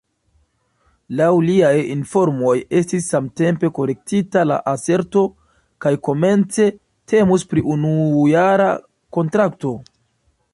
Laŭ liaj informoj estis samtempe korektita la aserto, ke komence temus pri unujara kontrakto.